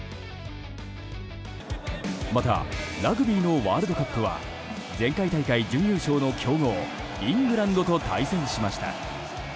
またラグビーのワールドカップは前回大会準優勝の強豪イングランドと対戦しました。